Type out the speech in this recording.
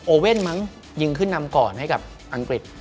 เว่นมั้งยิงขึ้นนำก่อนให้กับอังกฤษ